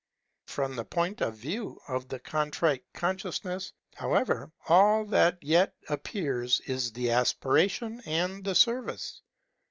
From the point of view of the Contrite Consciousness, however, all that yet appears is the aspiration and the service.